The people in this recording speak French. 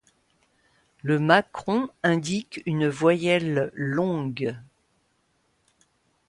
Le macron indique une voyelle longue.